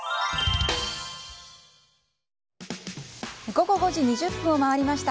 午後５時２０分を回りました。